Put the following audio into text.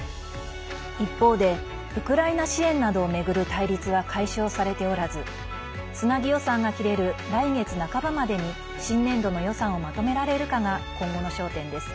一方でウクライナ支援などを巡る対立は解消されておらずつなぎ予算が切れる来月半ばまでに新年度の予算をまとめられるかが今後の焦点です。